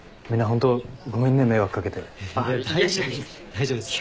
大丈夫です。